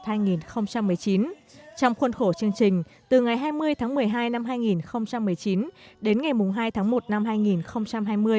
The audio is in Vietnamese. trong khuôn khổ chương trình từ ngày hai mươi tháng một mươi hai năm hai nghìn một mươi chín đến ngày hai tháng một năm hai nghìn hai mươi